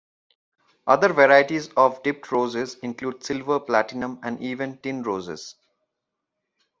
Other varieties of dipped roses include silver, platinum, and even tin roses.